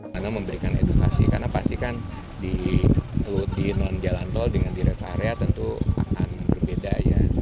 karena memberikan edukasi karena pastikan di jalan tol dengan dirasa area tentu akan berbeda ya